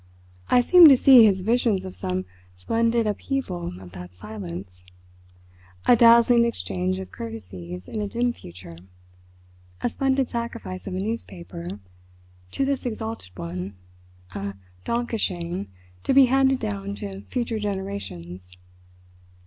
I seemed to see his visions of some splendid upheaval of that silence—a dazzling exchange of courtesies in a dim future, a splendid sacrifice of a newspaper to this Exalted One, a "danke schön" to be handed down to future generations.